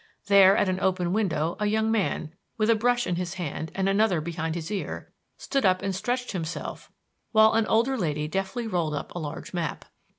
There at an open window a young man, with a brush in his hand and another behind his ear, stood up and stretched himself while an older lady deftly rolled up a large map.